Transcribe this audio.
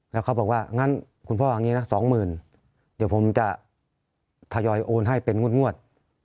แล้วเขาบอกว่างั้นคุณพ่ออย่างนี้นะสองหมื่นเดี๋ยวผมจะทยอยโอนให้เป็นงวด